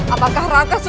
apakah raka sudah berubah